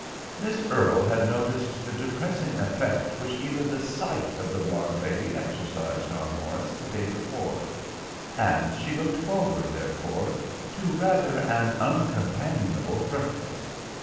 Miss Earle had noticed the depressing effect which even the sight of the blonde lady exercised on Morris the day before, and she looked forward, therefore, to rather an uncompanionable breakfast.